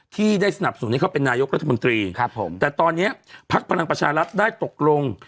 ที่ได้สนับสนุนให้เขาเป็นนายกรัฐมนตรีครับผมแต่ตอนนี้พักพลังประชารัฐได้ตกลง